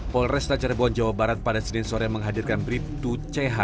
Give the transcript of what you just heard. polres tancerebon jawa barat pada senin sore menghadirkan beritu ch